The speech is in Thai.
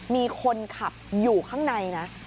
มีคนขับอยู่ข้างในนะ